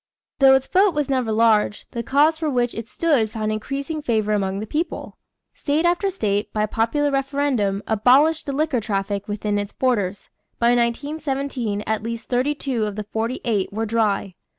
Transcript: Though its vote was never large, the cause for which it stood found increasing favor among the people. State after state by popular referendum abolished the liquor traffic within its borders. By 1917 at least thirty two of the forty eight were "dry."